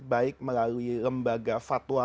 baik melalui lembaga fatwa